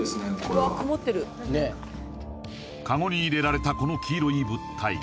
これはカゴに入れられたこの黄色い物体